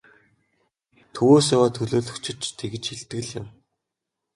Төвөөс яваа төлөөлөгчид ч тэгж хэлдэг л юм.